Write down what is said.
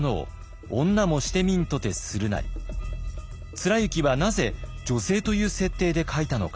貫之はなぜ女性という設定で書いたのか。